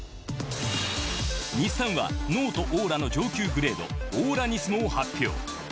日産はノートオーラの上級グレードオーラＮＩＳＭＯを発表。